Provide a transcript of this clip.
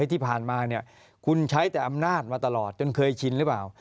ที่ผ่านมาเนี่ยคุณใช้แต่อำนาจมาตลอดจนเคยชินหรือเปล่า